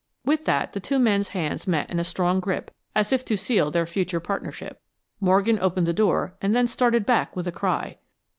With that the two men's hands met in a strong grip as if to seal their future partnership. Morgan opened the door and then started back with a cry.